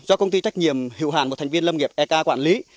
do công ty trách nhiệm hữu hạn một thành viên lâm nghiệp ia ca quản lý